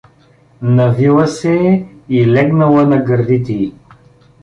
Навила се е и легнала на гърдите й.